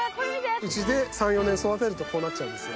うちで３４年育てるとこうなっちゃうんですよ。